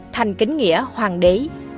thành kính nghĩa hoàng đế